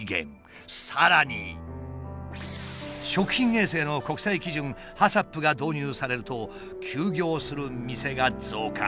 さらに食品衛生の国際基準ＨＡＣＣＰが導入されると休業する店が増加。